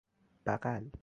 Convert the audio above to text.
بقل